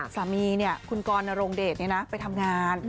สามีเนี่ยคุณกรนโรงเดทไปทำงาน